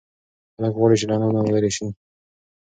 هلک غواړي چې له انا نه لرې نشي.